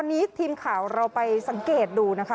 วันนี้ทีมข่าวเราไปสังเกตดูนะคะ